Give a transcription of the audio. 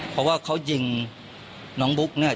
เพราะว่าเขายิงน้องบุ๊กเนี่ย